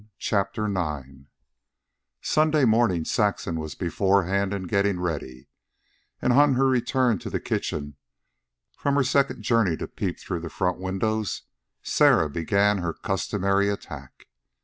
CHAPTER IX Sunday morning Saxon was beforehand in getting ready, and on her return to the kitchen from her second journey to peep through the front windows, Sarah began her customary attack.